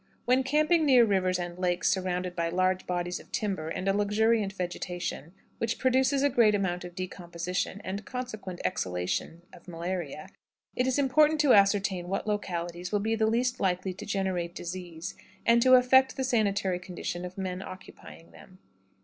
When camping near rivers and lakes surrounded by large bodies of timber and a luxuriant vegetation, which produces a great amount of decomposition and consequent exhalations of malaria, it is important to ascertain what localities will be the least likely to generate disease, and to affect the sanitary condition of men occupying them.